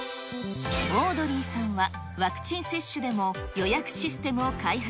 オードリーさんは、ワクチン接種でも予約システムを開発。